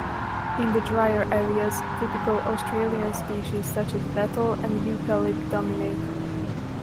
In the drier areas, typical Australian species such as wattle and eucalypt dominate.